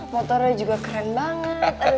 motornya juga keren banget